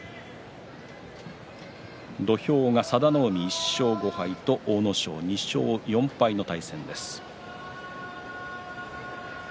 土俵が佐田の海、１勝５敗と阿武咲、２勝４敗の対戦です。